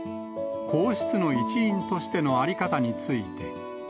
皇室の一員としての在り方について。